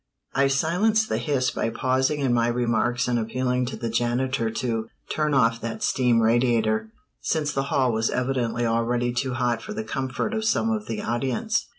I silenced the hiss by pausing in my remarks and appealing to the janitor to "turn off that steam radiator," since the hall was evidently already too hot for the comfort of some of the audience.